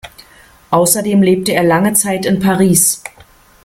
Außerdem lebte er lange Zeit in Paris.